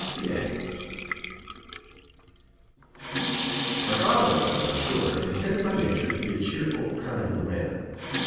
THE EGG l\/f Y FATHER was, I am sure, intended by nature to be a cheerful, kindly man.